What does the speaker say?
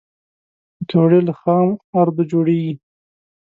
پکورې له خام آردو جوړېږي